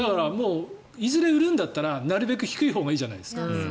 いずれ売るんだったら早いほうがいいじゃないですか。